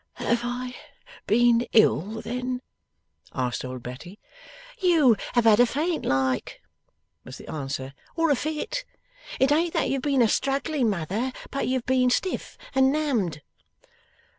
'Have I been ill then?' asked old Betty. 'You have had a faint like,' was the answer, 'or a fit. It ain't that you've been a struggling, mother, but you've been stiff and numbed.